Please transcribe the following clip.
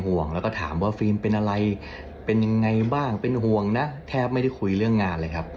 ห่วงแล้วก็ถามว่าฟิล์มเป็นอะไรเป็นยังไงบ้างเป็นห่วงนะแทบไม่ได้คุยเรื่องงานเลยครับ